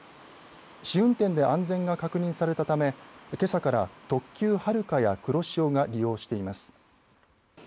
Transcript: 試運転で安全が確認されたためけさから特急はるかやくろしおが利用しています。